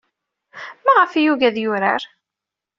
Maɣef ay yugi ad yurar?